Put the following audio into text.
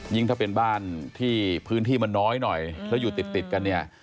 ยิ่งถ้าเป็นบ้านที่พื้นที่มันน้อยหน่อยแล้วอยู่ติดกัน